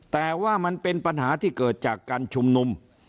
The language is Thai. แต่ว่ามันเป็นปัญหาที่เกิดจากการชุมนุม